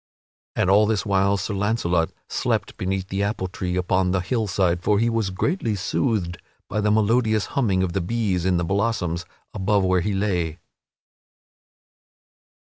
And all this while Sir Launcelot slept beneath the apple tree upon the hillside, for he was greatly soothed by the melodious humming of the bees in the blossoms above where he lay.